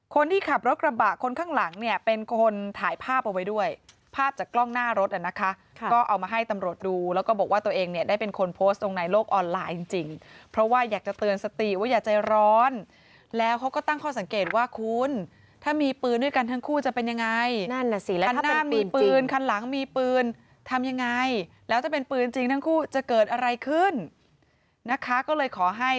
คนที่ขับรถกระบะคนข้างหลังเนี่ยเป็นคนถ่ายภาพเอาไว้ด้วยภาพจากกล้องหน้ารถอ่ะนะคะก็เอามาให้ตำรวจดูแล้วก็บอกว่าตัวเองเนี่ยได้เป็นคนโพสต์ตรงในโลกออนไลน์จริงเพราะว่าอยากจะเตือนสติว่าอย่าใจร้อนแล้วเขาก็ตั้งข้อสังเกตว่าคุณถ้ามีปืนด้วยกันทั้งคู่จะเป็นยังไงนั่นน่ะสิแล้วถ้าเป็นปืนจริ